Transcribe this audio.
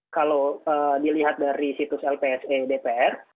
kalau dilihat dari situs lpse dpr